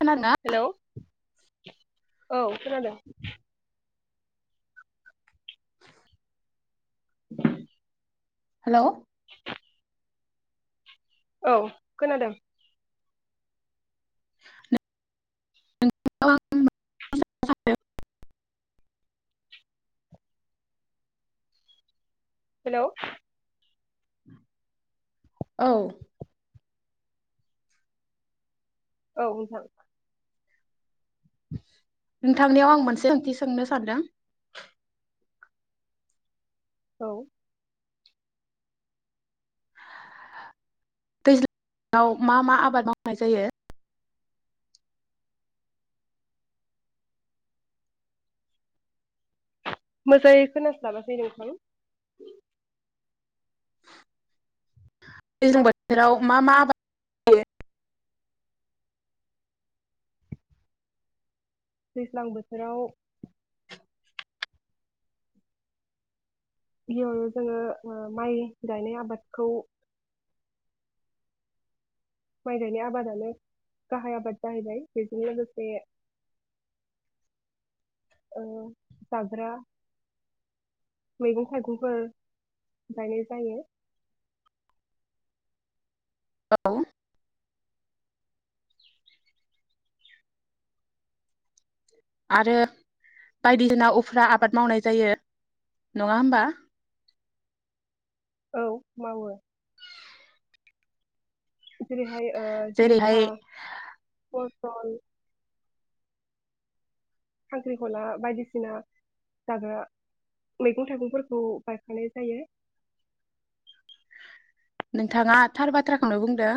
खोनादोंना हेल'। औ। खोनादों। हेल'। औ खोनादों। [inaudible] हेल'। औ। औ नोंथां। नोंथांनियाव आं मोनसे ओंथि सोंनो सानदों। औ। दैज्ला ङाव मा मा आबाद मावनाय जायो? मोजाङै खोनास्लाबासै नोंथां। दैज्लां बोथोराव मा मा आबाद [inaudible] जायो। दैज्लां बोथोराव। इयाव जोङो ओ माइ गायनाय आबादखौ माइ गायनाय आबादानो गाहाय आबाद जाहैबाय बेजों लोगोसे ओ जाग्रा मैगं थाइगंफोर गायनाय जायो। औ। आरो बायदिसिना उफ्रा आबाद मावनाय जायो नङा होमबा? औ मावो। जेरैहाय ओ जेरैहाय जिंखा पर तल खांख्रिखला बायदिसिना जाग्रा मैगं थाइगंफोरखौ गायफानाय जायो। नोंथाङा थार बाथ्राखौनो बुंदों।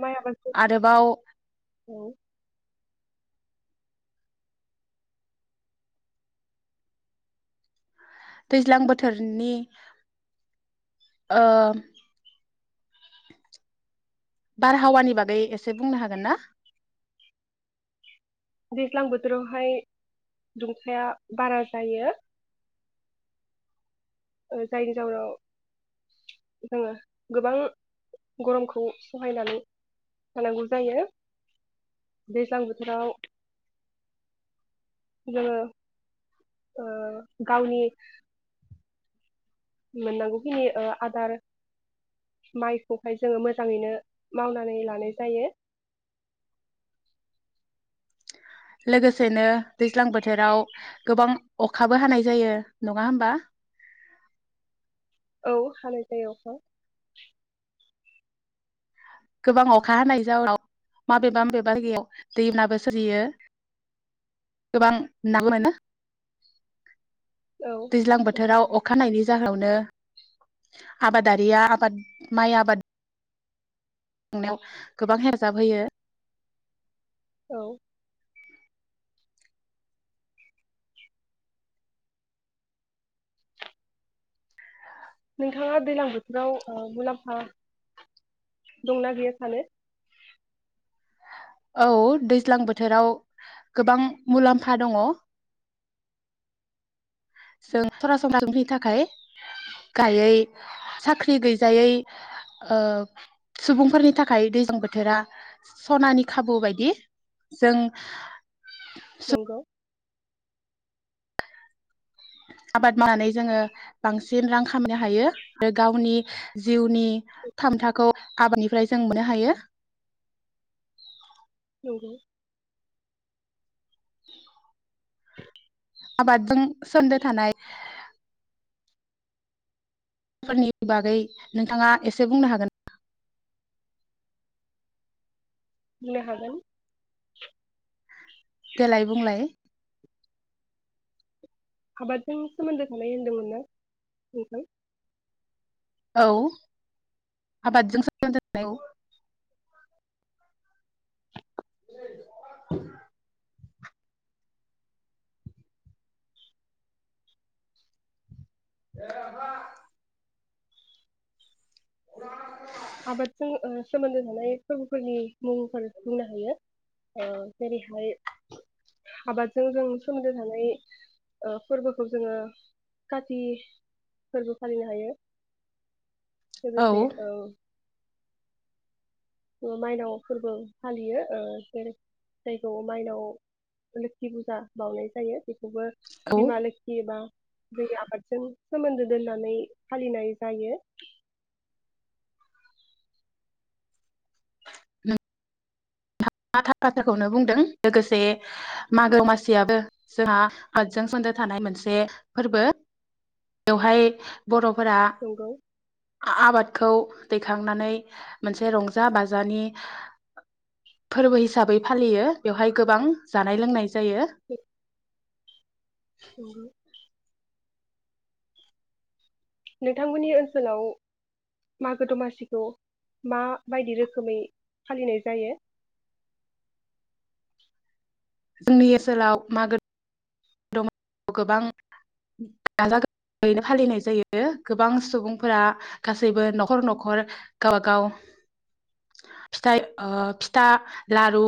माया बा आरोबाव [inaudible] औ दैज्लां बोथोरनि ओ बारहावानि बागै एसे बुंनो हागोन ना? दैज्लां बोथोरावहाय दुंखाया बारा जायो। जायनि जहोनाव जोङो गोबां गरमखौ सहायनानै थानांगौ जायो दैज्लां बोथोराव जोङो ओ गावनि मोननांगौखिनि ओ आदार माइखौहाय जोङो मोजाङैनो मावनानै लानाय जायो। लोगोसेनो दैज्लां बोथोराव गोबां अखाबो हानाय जायो नङा होनबा? औ हानाय जायो अखा। गोबां अखा हानाय जााहउनाव माबेबा माबेबायाव दैनाबो सोरजियो गोबां ना मोनो। औ दैज्लां बोथोराव अखानायनायनि जाहावनो आबादारिया आबाद माइ आबाद संनायाव गोबां हेफाजाब होयो। औ। नोंथाङा दैजलां बोथोराव मुलाम्फा दंना गैया सानो? औ दैज्लां बोथोराव गोबां मुलाम्फा दङ। जों सरासनस्राफोरनि थाखाय गायै साख्रि गैजायै सुबुंफोरनि थाखाय दैज्लां बोथोरा सनानि खाबु बायदि जों नंगौ। आबाद मावनानै जोङो बांसिन रां खामायनो हायो आरो गावनि जिउनि थामथाखौ आबादनिफ्राय जों मोननो हायो। नंगौ। [unintelligible] आबाद जों सोमदो थानाय फोरनि बागै नोंथाङा एसे बुंनो हागोन नामा? बुंनो हागोन। देलाय बुंलाय? आबादजों सोमोन्दो थानाय होनदोंमोन ना नोंथां। औ आबादजों स जानाय औ [unintelligible] द आहा अ आबादजों सोमोन्दो थानाय फोरबोफोरनि मुंफोर बुंनो हायो जेरैहाय आबादजों जों सोमोन्दो थानाय फोरबोखौ जोङो कति फोरबो फालिनो हायो। गो लोगोसे औ। माइनाव फोरबो फालियो जेरै जायखौ माइनाव लोखि फुजा बावनाय जायो बेखौबो औ बिमा लखियोबा दै आबादजों सोमोन्दो दोननानै फालिनाय जायो। [unintelligible] थार बाथ्राखौनो बुंदों लोगोसे मागो मासियाबो जोंहा हादजों सदो थानाय मोनसे फोरबो बेवहाय बर' फोरा नंगौ आबाद खौ दैखांनानै मोनसे रंजा बाजानि फोरबो हिसाबै फालियो बेवहाय गोबां जानाय लोंनाय जायो। औ। नोंथांमोननि ओनसोलाव मागो दमासिखौ माबायदि रोखोमै फालिनाय जायो? जोंनि ओनसोलाव मागो द गोबां गाजा गोैनो फालिनाय जायो गोबां सुबुंफोरा गासैबो न'खर न'खर गबागाव फिथाइ फिथा लारु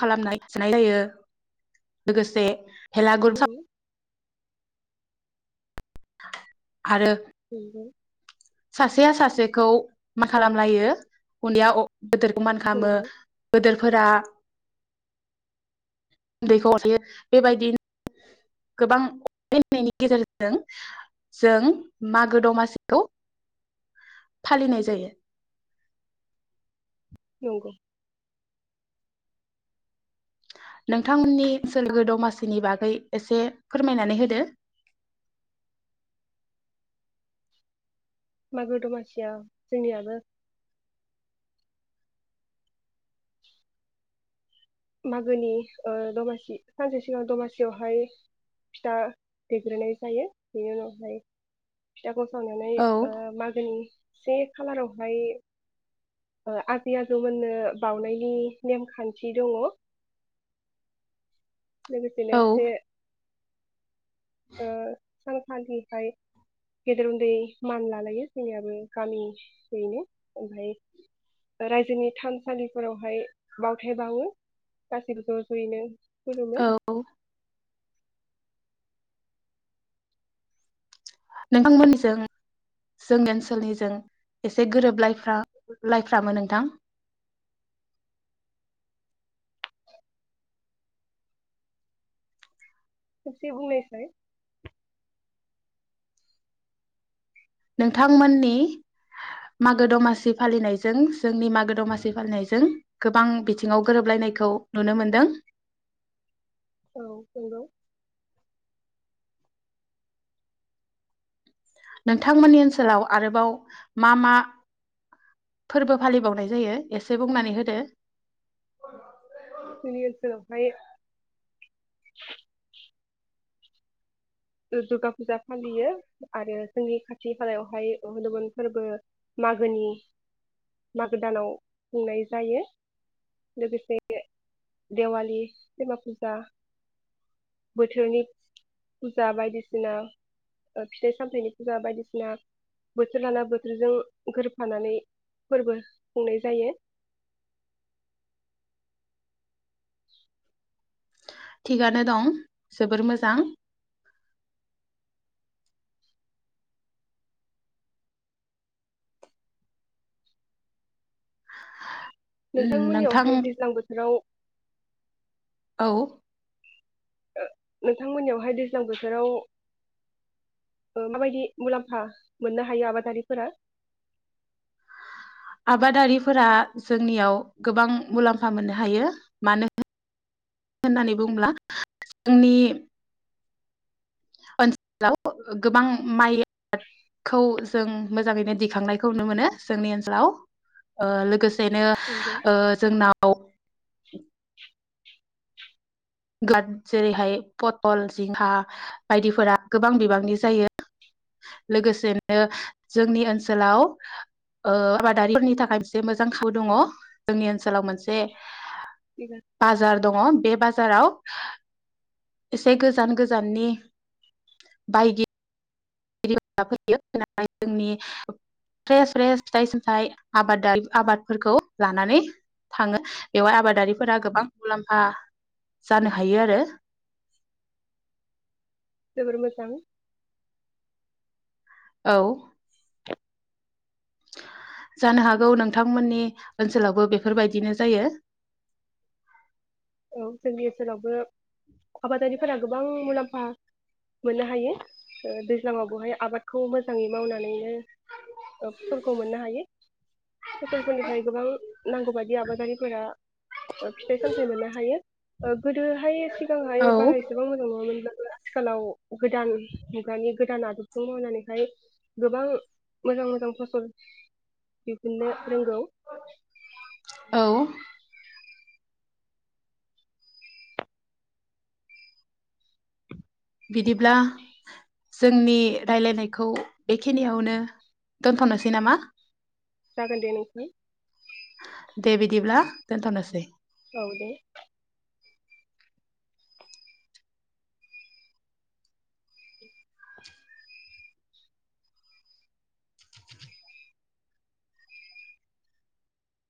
खालामनाय जायो लोगोसे भेलागुर सा नंगौ आरो [inaudible] सासेया सासेखौ मा खालामलायो उन्दैया गदोरखौ मान खालामो नंगौ गदोर फोरा उन्दैखौ हर थायो बेबायदिनो गोबां अनाय होननायनि गेजेरजों जों मागो दमासिखौ फालिनाय जायो नंगौ नोंथांमोननि सोरगो दमासिनि बागै एसे फोरमायनानै होदो मागो दमासिया जोंनियाबो मागोनि ओ, दमासि सानसे सिगां दमासियावहाय फिथा दैग्रोनाय जायो बेनि उनावहाय फिथाखौ सावनानै औ मागोनि से खालारावहाय ओ आजै आजौमोननो बावनायनि नेमखान्थि दङ लोगोसेनो औ से ओ, सानखालिहाय गेदेर उन्दै मान लालायो जोंनियाबो गामियैनो, ओमफ्राय रायजोनि थानसालिफोरावहाय बावथाय बावो, गासैबो ज' ज'यैनो खुलुमो औ नोंथांमोनजों जोंनि ओनसोलनिजों एसे गोरोबलायफ्रा लायफ्रामोन नोंथां खेबसे बुंनायसाय नोंथांमोननि मागो दमासि फालिनायजों जोंनि मागो दमासि फालिनायजों गोबां बिथिङाव गोरोबलायनायखौ नुनो मोनदों। औ नंगौ नोंथांमोननि ओनसोलाव आरोबाव मा मा फोरबो फालिबावनाय जायो एसे बुंनानै होदो जोंनि ओनसोलावहाय दुर्गा फुजा फालियो आरो जोंनि खाथि खालायावहाय हनुमोन फोरबो मागोनि मागो दानाव खुंनाय जायो लोगोसे देवालि दिमा फुजा बोथोरनि फुजा बायदिसिना फिथाइ सामथायाइनि फुजा बायदिसिना बोथोर लाना बोथोरजों गोरोबफानानै फोरबो खुंनाय जायो थिगानो दं जोबोर मोजां हो हो नोंथांमोननियावहाय दैज्लां बोथोराव औ ओ नोंथांमोननियावहाय दैज्लां बोथोराव ओ, माबायदि मुलाम्फा मोननो हायो आबादारिफोरा? आबादारिफोरा जोंनियाव गोबां मुलाम्फा मोननो हायो मानो होननानै बुङोब्ला जोंनि ओनसोलाव गोबां माइखौ जों मोजाङैनो दिखांनायखौ नुनो मोनो जोंनि ओनसोलाव ओ, लोगोसे बेनो नंगौ, ओ, जोंनाव ग्लाड जेरैहाय पथल, जिंखा बायदिफोरा गोबां बिबांनि जायो लोगोसेनो जोंनि ओनसोलाव ओ, आबादारिफोरनि थाखाय मोनसे मोजां खावु दङ जोंनि ओनसोलाव मोनसे बाजार दङ। बे बाजार जाराव एसे गोजान गोजाननि बायदि फैयो जोंनि फ्रेस फ्रेस फिथाइ सामथाइ आबाद आबादारि, आबादफोरखौ लानानै थाङो बेवहाय आबादारिफोरा गोबां मुलाम्फा जानो हायो आरो जोबोर मोजां औ जानो हागौ नोंथांमोननि ओनसोलावबो बेफोरबायदिनो जायो औ जोंनि ओनसोलावबो आबादारिफोरा गोबां मुलाम्फा मोननो हायो दैज्लाङावबोहाय आबादखौ मोजाङै मावनानैनो ओ फसलखौ मोननो हायो फसलफोरनिफ्राय गोबां नांगौ बायदि आबादारिफोरा फिथाइ सामथाय मोननो हायो हायो गोदोहाय सिगांहाय बारा औ एसेबां मोजां नङामोनब्ला आथिखालाव गोदान मुगानि गोदान आदबजों मावनानैहाय गोबां मोजां मोजां फसल दिहुन्नो रोंगौ बिदिब्ला जोंनि राय्लायनायखौ बेखिनियावनो दोनथ'नोसै नामा? जागोन दे नोंथां दे बिदिब्ला दोन्थ' नोसै औ दे [unintelligible]